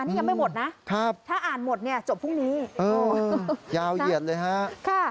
นี่ยังไม่หมดนะถ้าอ่านหมดเนี่ยจบพรุ่งนี้ยาวเหยียดเลยฮะ